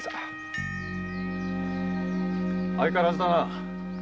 相変わらずだな。